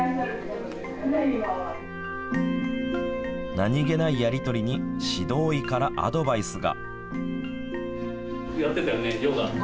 何気ないやりとりに指導医からアドバイスが。